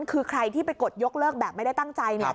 คือใครที่ไปกดยกเลิกแบบไม่ได้ตั้งใจเนี่ย